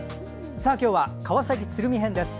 今日は川崎鶴見編です。